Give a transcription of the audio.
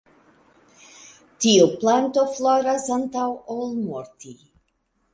Tiu planto floras antaŭ ol morti.